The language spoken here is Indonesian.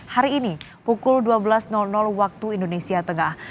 hari ini pukul dua belas waktu indonesia tengah